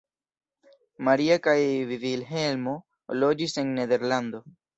Maria kaj Vilhelmo loĝis en Nederlando.